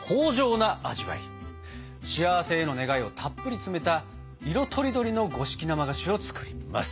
幸せへの願いをたっぷり詰めた色とりどりの五色生菓子を作ります！